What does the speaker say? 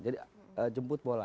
jadi jemput bola